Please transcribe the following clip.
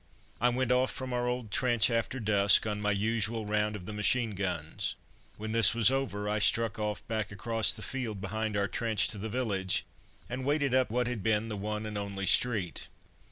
I went off from our old trench after dusk on my usual round of the machine guns. When this was over I struck off back across the field behind our trench to the village, and waded up what had been the one and only street.